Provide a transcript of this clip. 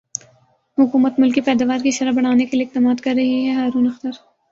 حکومت ملکی پیداوار کی شرح بڑھانے کیلئے اقدامات کر رہی ہےہارون اختر